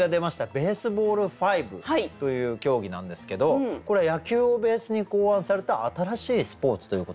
Ｂａｓｅｂａｌｌ５という競技なんですけどこれ野球をベースに考案された新しいスポーツということなんですか？